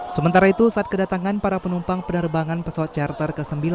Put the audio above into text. sementara itu saat kedatangan para penumpang penerbangan pesawat charter